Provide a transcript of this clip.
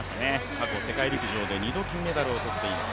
過去世界陸上で２度金メダルを取っています。